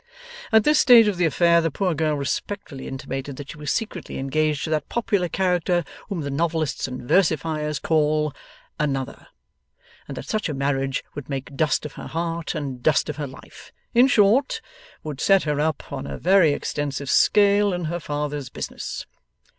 At this stage of the affair the poor girl respectfully intimated that she was secretly engaged to that popular character whom the novelists and versifiers call Another, and that such a marriage would make Dust of her heart and Dust of her life in short, would set her up, on a very extensive scale, in her father's business.